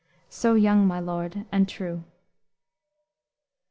So young, my lord, and true."